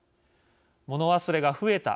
物忘れが増えた。